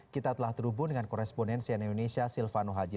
kita telah terhubung dengan koresponen cne indonesia silvano haji